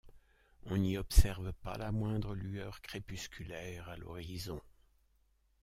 On n'y observe pas la moindre lueur crépusculaire à l'horizon.